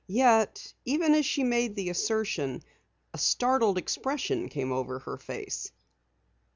Yet, even as she made the assertion, a startled expression came over her face.